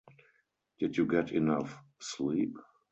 Did you get enough sleep?